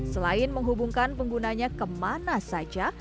selain menghubungkan penggunanya kemana saja